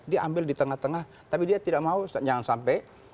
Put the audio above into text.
diambil di tengah tengah tapi dia tidak mau jangan sampai